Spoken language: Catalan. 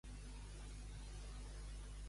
Poder passar els bancs de Flandes.